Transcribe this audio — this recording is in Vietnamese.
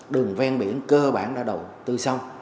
đường ven biển cơ bản đã đầu tư xong